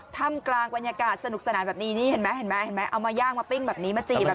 ทำกลางบรรยากาศสนุกสนานแบบนี้นี่เห็นไหมเห็นไหมเห็นไหมเอามาย่างมาปิ้งแบบนี้มาจีบแบบนี้